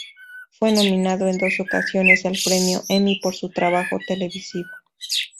Fue nominado en dos ocasiones al Premio Emmy por su trabajo televisivo.